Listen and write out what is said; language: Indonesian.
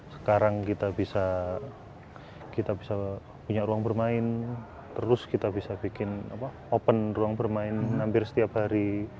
sekarang kita bisa punya ruang bermain terus kita bisa bikin open ruang bermain hampir setiap hari